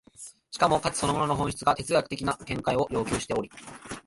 しかも価値そのものの本質が哲学的な見方を要求しており、